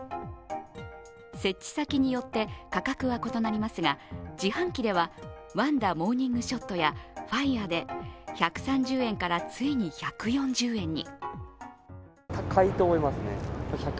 設置先によって価格は異なりますが、自販機では、ワンダモーニングショットやＦＩＲＥで１３０円からついに１４０円に。